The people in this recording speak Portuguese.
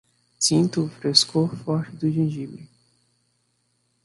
Sinto o frescor forte do gengibre